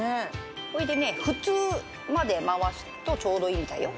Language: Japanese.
ほいでね普通まで回すとちょうどいいみたいよ。